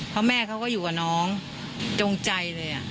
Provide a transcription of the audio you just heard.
เพราะแม่เขาก็อยู่กับน้องจงใจเลย